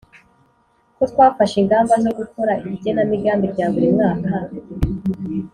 ko twafashe ingamba zo gukora igenamigambi rya buri mwaka